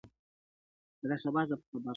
• له ژوندونه ورک حساب وي بې پروا یو له زمانه -